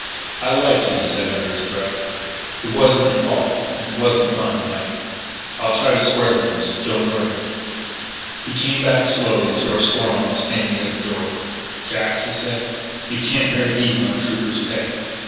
"I liked you," he said under his breath. "It wasn't your fault. And it wasn't mine, Mike.... I'll try to square things. Don't worry." He came back slowly to where Stormont was standing near the door: "Jack," he said, "you can't marry Eve on a Trooper's pay.